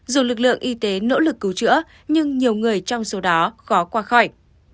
dù lực lượng y tế nỗ lực cứu chữa nhưng nhiều người trong số đó khó qua khỏi